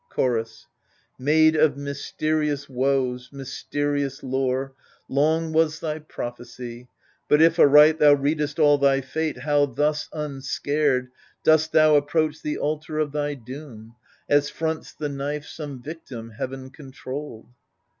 Chorus Maid of mysterious woes, mysterious lore, Long was thy prophecy : but if aright Thou readest all thy fate, how, thus unscared. Dost thou approach the altar of thy doom. As fronts the knife some victim, heaven controlled